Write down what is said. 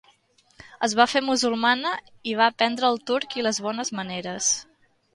Es va fer musulmana i va aprendre el turc i les bones maneres.